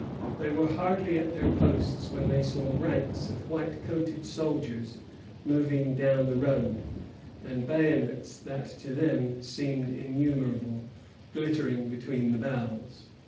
They were hardly at their posts when they saw ranks of white coated soldiers moving down the road, and bayonets that to them seemed innumerable glittering between the boughs.